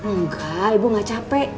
enggak ibu gak capek